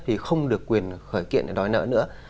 thì không được quyền khởi kiện để đòi nợ nữa